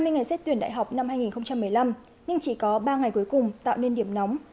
hai mươi ngày xét tuyển đại học năm hai nghìn một mươi năm nhưng chỉ có ba ngày cuối cùng tạo nên điểm nóng